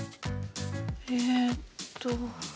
えっと。